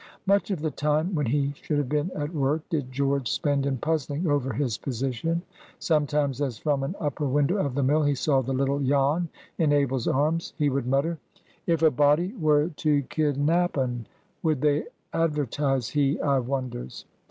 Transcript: Much of the time when he should have been at work did George spend in "puzzling" over his position. Sometimes, as from an upper window of the mill he saw the little Jan in Abel's arms, he would mutter,— "If a body were to kidnap un, would they advertise he, I wonders?"